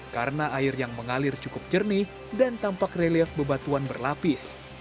karena air yang mengalir cukup jernih dan tampak relief bebatuan berlapis